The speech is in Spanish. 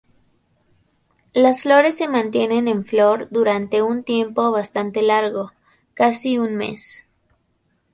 Las flores se mantienen en flor durante un tiempo bastante largo, casi un mes.